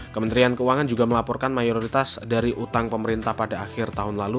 kementerian keuangan juga melaporkan mayoritas dari utang pemerintah pada akhir tahun lalu